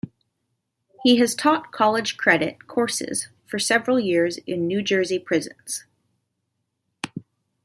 He has taught college credit courses for several years in New Jersey prisons.